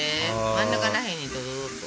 真ん中ら辺にドドドッと。